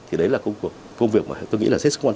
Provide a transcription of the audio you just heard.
thì đấy là công việc mà tôi nghĩ là sẽ sống